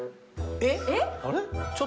┐えっ？